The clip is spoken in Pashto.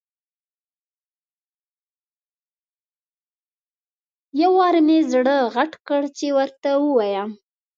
یو وارې مې زړه غټ کړ چې ورته ووایم.